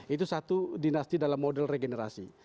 itu satu dinasti dalam model regenerasi